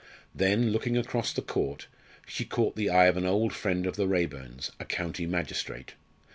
Then, looking across the court, she caught the eye of an old friend of the Raeburns, a county magistrate.